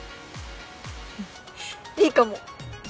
うんいいかも。